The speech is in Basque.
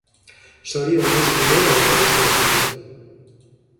Zorionez, lehenagotik ezagutzen dut.